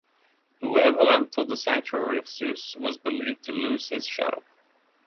Whoever entered the sanctuary of Zeus was believed to lose his shadow.